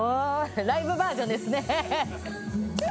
ライブバージョンですね。